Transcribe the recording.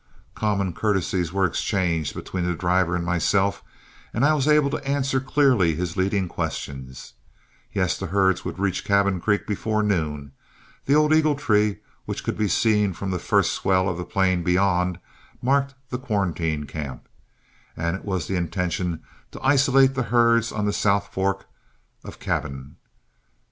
Common courtesies were exchanged between the driver and myself, and I was able to answer clearly his leading questions: Yes; the herds would reach Cabin Creek before noon; the old eagle tree, which could be seen from the first swell of the plain beyond, marked the quarantine camp, and it was the intention to isolate the herds on the South Fork of Cabin.